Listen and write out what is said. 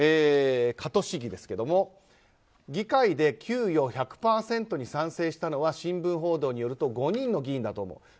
加戸市議ですが議会で給与１００％に賛成したのは新聞報道によると５人の議員だと思う。